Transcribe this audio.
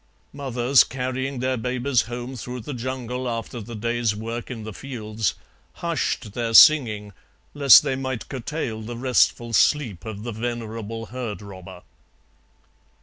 Mothers carrying their babies home through the jungle after the day's work in the fields hushed their singing lest they might curtail the restful sleep of the venerable herd robber.